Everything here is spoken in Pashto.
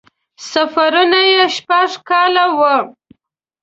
سفرونه یې شپږ کاله وو.